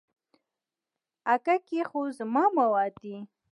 اگه کې خو زما مواد دي.